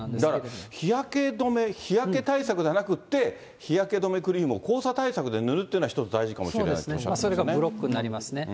だから、日焼け止め、日焼け対策ではなくて、日焼け止めクリームを黄砂対策で塗るっていうことは一つ大事かもそうですね、それがブロックになりますね。